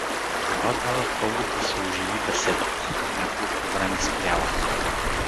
Това дава повод да се оживи беседата, няколко време спряла.